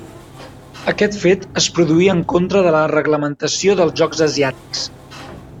Aquest fet es produí en contra de la reglamentació dels Jocs Asiàtics.